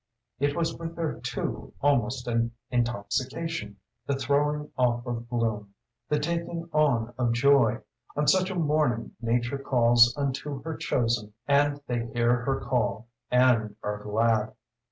It was with her too almost an intoxication the throwing off of gloom, the taking on of joy. On such a morning nature calls unto her chosen, and they hear her call, and are glad.